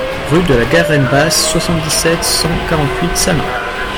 Rue de la Garenne Basse, soixante-dix-sept, cent quarante-huit Salins